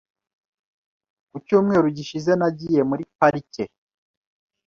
Ku cyumweru gishize, nagiye muri parike.